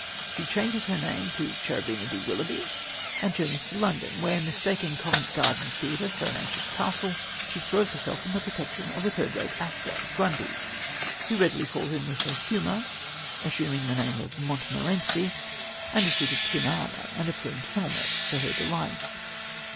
She changes her name to Cherubina de Willoughby, and journeys to London, where, mistaking Covent Garden Theatre for an ancient castle, she throws herself on the protection of a third rate actor, Grundy. He readily falls in with her humour, assuming the name of Montmorenci, and a suit of tin armour and a plumed helmet for her delight.